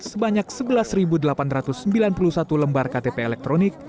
sebanyak sebelas delapan ratus sembilan puluh satu lembar ktp elektronik